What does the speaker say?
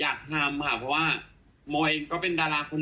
อยากทำค่ะเพราะว่าโมยก็เป็นดาราคน